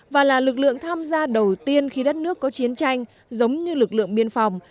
và là lực lượng tham gia đầu tiên khi đất nước có chiến tranh giống như lực lượng biên phòng